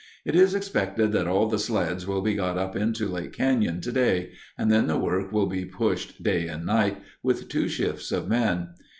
It is expected that all the sleds will be got up into Lake Canyon today, and then the work will be pushed day and night, with two shifts of men.